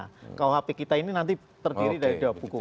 rkuhp kita ini nanti terdiri dari dua buku